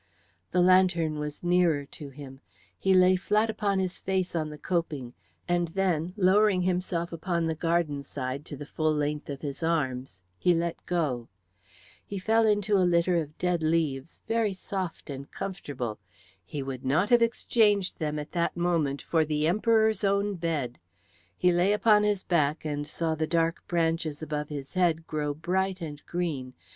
The lantern was nearer to him; he lay flat upon his face on the coping, and then lowering himself upon the garden side to the full length of his arms, he let go. He fell into a litter of dead leaves, very soft and comfortable. He would not have exchanged them at that moment for the Emperor's own bed. He lay upon his back and saw the dark branches above his head grow bright and green.